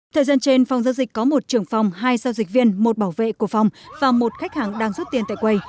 thời gian trên phòng giao dịch có một trưởng phòng hai giao dịch viên một bảo vệ của phòng và một khách hàng đang rút tiền tại quầy